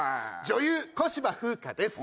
女優小芝風花です。